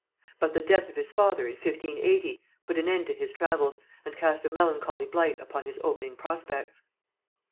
But the death of his father, in 1580, put an end to his travels, and cast a melancholy blight upon his opening prospects.